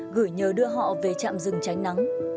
gửi nhờ đưa họ về trạm rừng tránh nắng